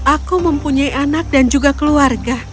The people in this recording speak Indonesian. aku mempunyai anak dan juga keluarga